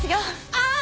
ああ！